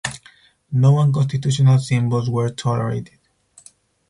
No unconstitutional symbols were tolerated.